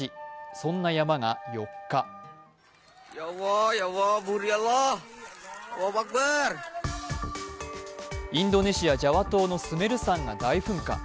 そんな山が４日インドネシア・ジャワ島のスメル山が噴火。